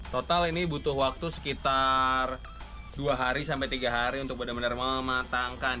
total ini butuh waktu sekitar dua hari sampai tiga hari untuk benar benar mematangkan